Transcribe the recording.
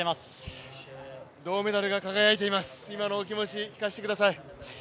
銅メダルが輝いています、今のお気持ち、聞かせてください。